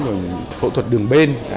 rồi phẫu thuật đường bên